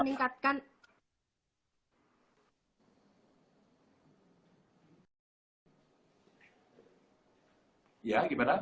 meningkatkan kesadaran termasuk meningkatkan